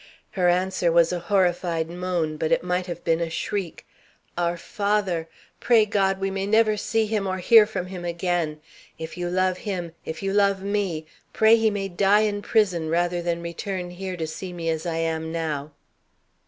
Her answer was a horrified moan, but it might have been a shriek. 'Our father! Pray God we may never see him or hear from him again. If you love him, if you love me, pray he may die in prison rather than return here to see me as I am now.'